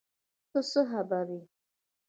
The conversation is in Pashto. ته څه خبر یې ؟